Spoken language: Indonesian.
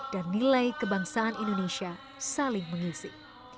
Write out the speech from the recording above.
dan nilai kebangsaan indonesia saling mengisi